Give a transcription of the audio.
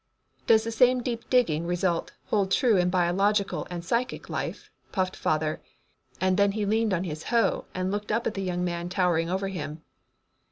"Does the same deep digging result hold true in biological and psychic life?" puffed father, and then he leaned on his hoe and looked up at the young man towering over him.